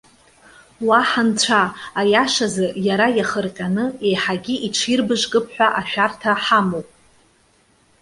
Уа ҳанцәа! Аиашазы, иара иахырҟьаны, еиҳагьы иҽирбыжкып ҳәа ашәарҭа ҳамоуп.